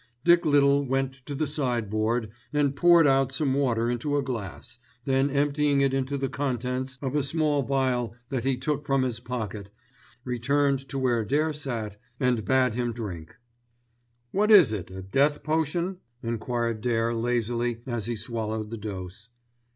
Dick Little went to the sideboard and poured out some water into a glass, then emptying into it the contents of a small phial that he took from his pocket, returned to where Dare sat and bade him drink. "What is it—a death potion?" enquired Dare lazily as he swallowed the dose.